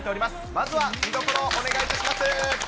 まずは見どころをお願いいたします。